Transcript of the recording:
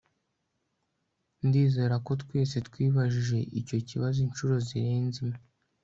Ndizera ko twese twibajije icyo kibazo inshuro zirenze imwe